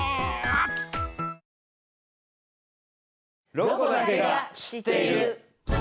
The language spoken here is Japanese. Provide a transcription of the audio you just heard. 「ロコだけが知っている」。